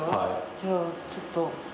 じゃあちょっと。